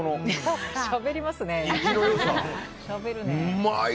うまい。